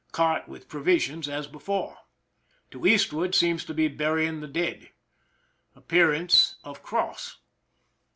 Cart with provisions, as before. To Ed seem to be burying the dead. Appearamie of cross.